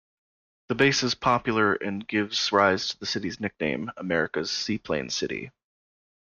The base is popular and gives rise to the city's nickname, "America's Seaplane City".